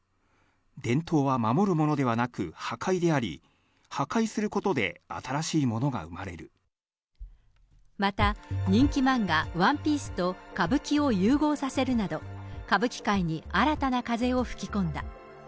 伝統は守るものではなく破壊であり、破壊することで新しいものがまた、人気漫画、ワンピースと歌舞伎を融合させるなど、歌舞伎界に新たな風を吹き込んだ。